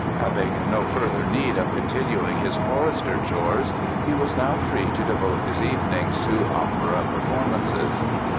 Having no further need of continuing his chorister chores he was now free to devote his evenings to opera performances.